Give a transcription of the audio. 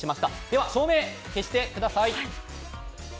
では照明、消してください。